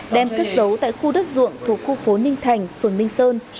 đem kết dấu tại khu đất ruộng thuộc khu phố ninh thành phường ninh sơn